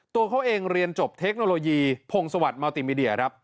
ตัวเขาเองเรียนจบเทคโนโลยีโพงสวัสดิ์มัลติมีเดีย